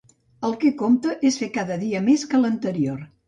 El que compta és fer cada dia més que l'anterior.